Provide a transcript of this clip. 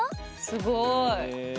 すごい。